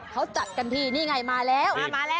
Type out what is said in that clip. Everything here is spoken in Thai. เขาจัดกันที่นี่ไงมาแล้ว